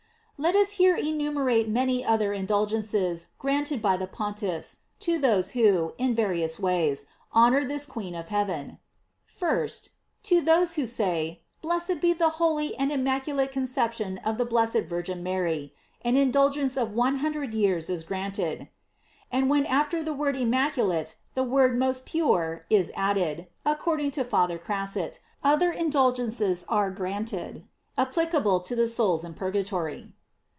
Let us here enumerate many other indulgen ces granted by the Pontiffs to those who, in various ways, honor this queen of heaven: 1st. To those who say: "Blessed be the holy and im maculate conception of the blessed Virgin Mary," an indulgence of one hundred years is granted; and when after the word "immaculate," the word "most pure" is added, according to Father Crasset, other indulgences are granted, applica ble to the souls in purgatory.